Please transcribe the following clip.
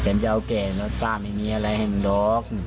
จนดูไหล่ก็ลากนอก